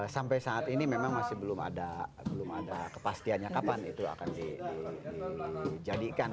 sampai saat ini memang masih belum ada kepastiannya kapan itu akan dijadikan